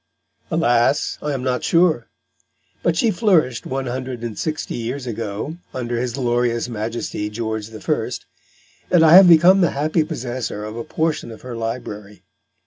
Alas! I am not sure; but she flourished one hundred and sixty years ago, under his glorious Majesty, George I., and I have become the happy possessor of a portion of her library.